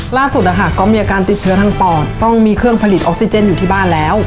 ล่าสุดก็มีอาการติดเชื้อทางปอดต้องมีเครื่องผลิตออกซิเจนอยู่ที่บ้านแล้ว